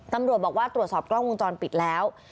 ตำรวจบอกว่าตรวจสอบกล้องวงจรปิดแล้ว